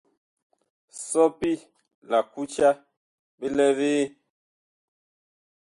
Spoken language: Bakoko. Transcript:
Sɔpi la kuca bi lɛ vee ?